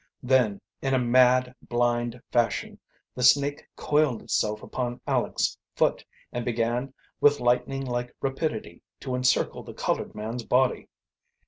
Then, in a mad, blind fashion, the snake coiled itself upon Aleck's foot, and began, with lightning like rapidity, to encircle the colored man's body.